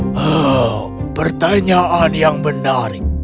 tetapi apakah yang menjadi hadiah karena memberitamu rahasia apa yang kau cari